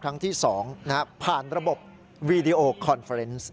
ครั้งที่๒ผ่านระบบวีดีโอคอนเฟอร์เนส์